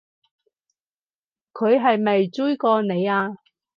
佢係咪追過你啊？